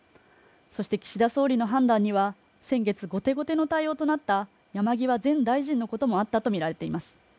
そして岸田総理の判断には先月、後手後手の対応となった山際前大臣のこともあったとみられています。